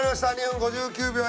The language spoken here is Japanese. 『２分５９秒』